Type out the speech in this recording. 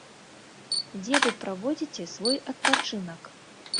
Дзе вы праводзіце свой адпачынак?